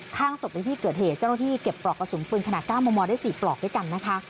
ข้างศพในที่เกิดเหตุเจ้าหน้าที่เก็บปลอกกระสุนปืนขนาด๙มมได้๔ปลอกด้วยกันนะคะ